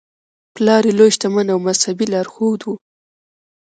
پلار یې لوی شتمن او مذهبي لارښود و.